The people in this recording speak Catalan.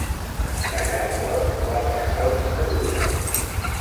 Tallat d'or, quatre pals de gules.